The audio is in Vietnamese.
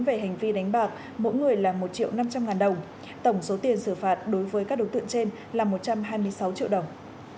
về hành vi đánh bạc mỗi người là một triệu năm trăm linh ngàn đồng tổng số tiền xử phạt đối với các đối tượng trên là một trăm hai mươi sáu triệu đồng